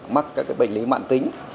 mắc các bệnh lý mạng tính